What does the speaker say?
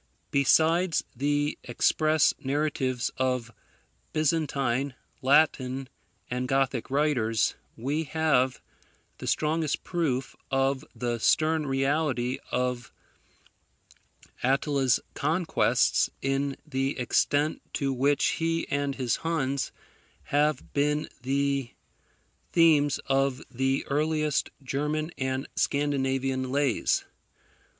Besides the express narratives of Byzantine, Latin, and Gothic writers, we have the strongest proof of the stern reality of Attila's conquests in the extent to which he and his Huns have been the themes of the earliest German and Scandinavian lays.